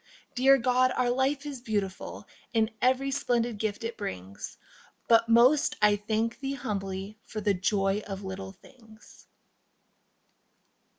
Dear God, our life is beautiful In every splendid gift it brings, But most I thank Thee humbly for The joy of little things.